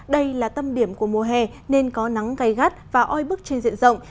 đây là tâm điểm của mùa hè nên có nắng gây gắt và oi bức trên diện rộng